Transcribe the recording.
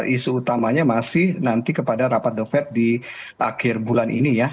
isu utamanya masih nanti kepada rapat the fed di akhir bulan ini ya